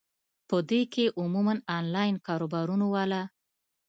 پۀ دې کښې عموماً انلائن کاروبارونو واله ،